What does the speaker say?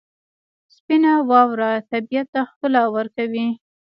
سپینه واوره طبیعت ته ښکلا ورکوي.